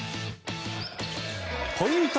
ポイント